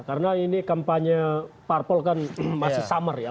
karena ini kampanye parpol kan masih summer ya